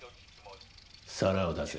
皿を出せ。